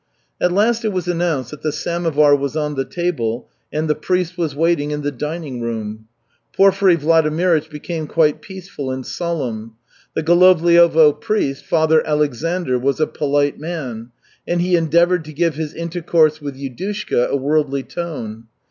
At last it was announced that the samovar was on the table and the priest was waiting in the dining room. Porfiry Vladimirych became quite peaceful and solemn. The Golovliovo priest, Father Aleksandr, was a polite man, and he endeavored to give his intercourse with Yudushka a worldly tone.